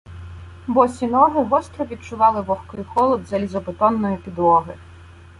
Босі ноги гостро відчували вогкий холод залізобетонної підлоги.